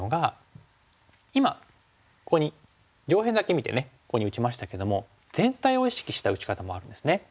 今ここに上辺だけ見てここに打ちましたけども全体を意識した打ち方もあるんですね。